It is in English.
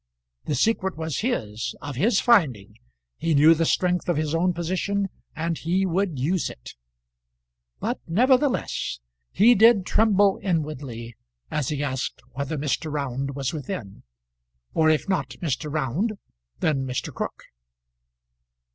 The secret was his of his finding; he knew the strength of his own position, and he would use it. But nevertheless he did tremble inwardly as he asked whether Mr. Round was within; or if not Mr. Round, then Mr. Crook.